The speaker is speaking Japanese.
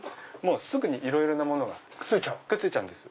すぐにいろいろなものがくっついちゃうんです。